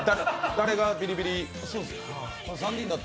誰がビリビリ？